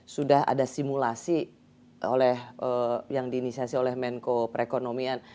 sudah ada simulasi oleh yang diinisiasi oleh menko perekonomian